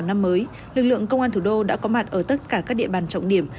năm mới lực lượng công an thủ đô đã có mặt ở tất cả các địa bàn trọng điểm